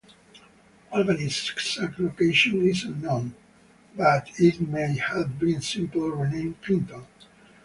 Albany's exact location is unknown, but it might have been simply renamed Clinton.